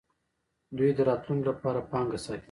دوی د راتلونکي لپاره پانګه ساتي.